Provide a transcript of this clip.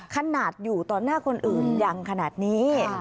ขนาดอยู่ต่อหน้าคนอื่นยังขนาดนี้